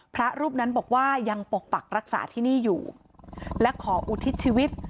พระรูปนั้นบอกว่ายังปกปักรักษาที่นี่อยู่และขออุทิศชีวิต